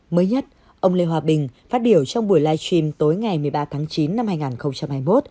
mới nhất ông lê hòa bình phát biểu trong buổi live stream tối ngày một mươi ba tháng chín năm hai nghìn hai mươi một